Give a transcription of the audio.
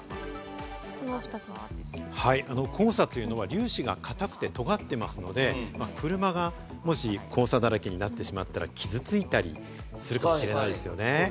はい、黄砂というのは粒子が硬くて尖っていますので、車がもし黄砂だらけになってしまったら、傷ついたりするかもしれないですよね。